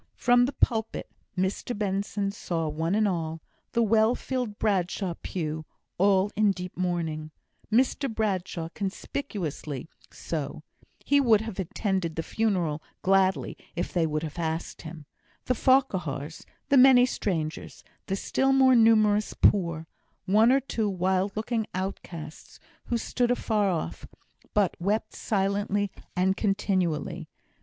From the pulpit, Mr Benson saw one and all the well filled Bradshaw pew all in deep mourning, Mr Bradshaw conspicuously so (he would have attended the funeral gladly if they would have asked him) the Farquhars the many strangers the still more numerous poor one or two wild looking outcasts, who stood afar off, but wept silently and continually.